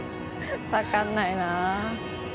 わかんないな。